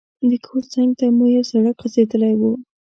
د کور څنګ ته مو یو سړک غځېدلی وو.